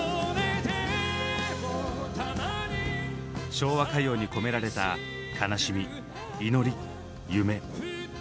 昭和歌謡に込められた悲しみ祈り夢。